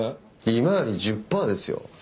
利回り１０パーですよ？